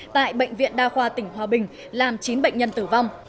tại bệnh viện đa khoa tỉnh hòa bình làm chín bệnh nhân tử vong